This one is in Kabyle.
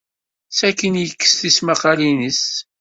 Sakkin, yekkes tismaqqalin-nnes.